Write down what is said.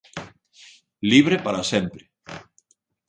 Libre para sempre.